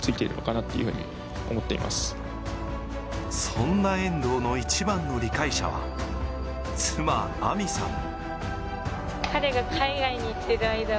そんな遠藤の一番の理解者は妻・亜実さん。